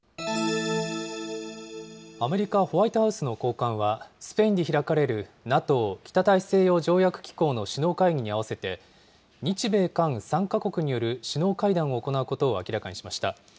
アメリカ、ホワイトハウスの高官は、スペインで開かれるＮＡＴＯ・北大西洋条約機構の首脳会議に合わせて、日米韓３か国による首脳会談を行うことを明らかにしました。